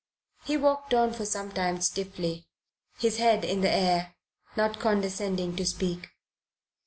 He walked on for some time stiffly, his head in the air, not condescending to speak.